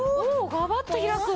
ガバッと開く！